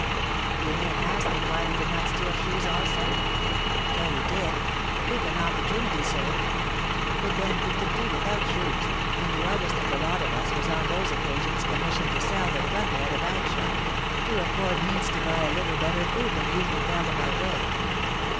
You may ask me why we did not steal shoes also? So we did, if an opportunity served: but then we could do without shoes, and the eldest of the lot of us was on those occasions commissioned to sell the plunder at a rag shop, to afford means to buy a little better food than usually fell in our way.